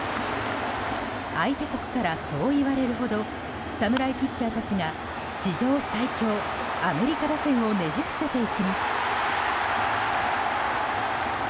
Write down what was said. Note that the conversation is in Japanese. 相手国からそう言われるほど侍ピッチャーたちが史上最強、アメリカ打線をねじ伏せていきます。